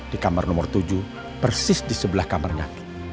di kamar nomor tujuh persis di sebelah kamarnya